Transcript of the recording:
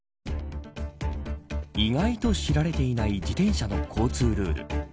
意外と知られていない自転車の交通ルール。